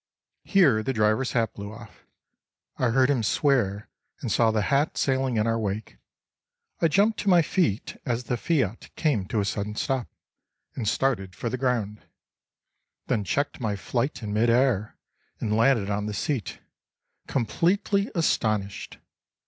Here the driver's hat blew off. I heard him swear, and saw the hat sailing in our wake. I jumped to my feet as the F.I.A.T. came to a sudden stop, and started for the ground—then checked my flight in mid air and landed on the seat, completely astonished.